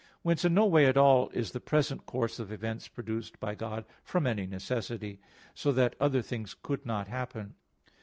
Whence in no way at all is the present course of events produced by God from any necessity, so that other things could not happen.